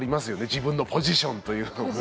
自分のポジションというのもね。